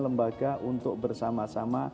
lembaga untuk bersama sama